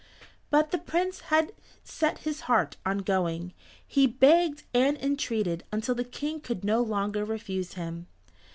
But the Prince had set his heart on going. He begged and entreated until the King could no longer refuse him.